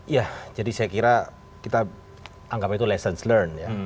ya jadi saya kira kita anggap itu lessons learned ya